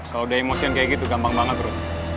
kalau udah emosin kayak gitu gampang banget bro